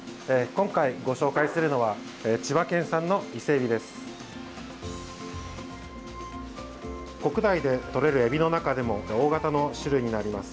今回ご紹介するのは千葉県産の伊勢えびです。